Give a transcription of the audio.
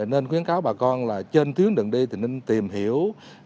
nên khuyến cáo bà con là trên tuyến đường đi thì nên tìm hiểu